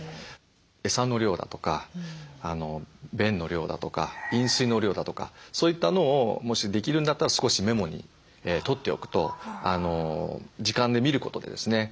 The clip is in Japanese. エサの量だとか便の量だとか飲水の量だとかそういったのをもしできるんだったら少しメモにとっておくと時間で見ることでですね